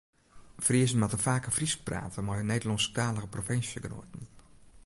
Friezen moatte faker Frysk prate mei Nederlânsktalige provinsjegenoaten.